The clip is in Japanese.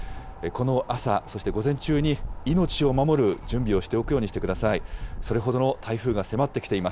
この朝、そして午前中に、命を守る準備をしておくようにしてください。